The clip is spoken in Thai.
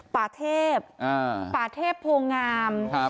ป่าเทพอ่าป่าเทพโพงาม